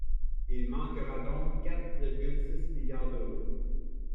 Il manquera donc quatre virgule six milliards d’euros.